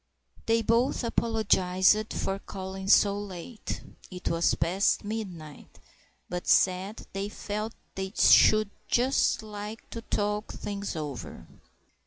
They both apologised for calling so late (it was past midnight), but said they felt they should just like to talk things over.